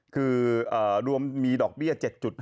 คือรวมมีดอกเบี้ย๗๑